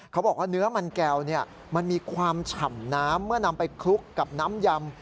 เขาบอกว่าเนื้อมันแก้วมันมีความฉ่ำน้ำเมื่อนำไปคลุกกับน้ำยำ